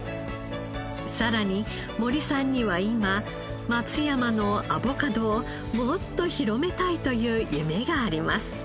さらに森さんには今松山のアボカドをもっと広めたいという夢があります。